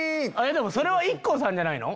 それはＩＫＫＯさんじゃないの？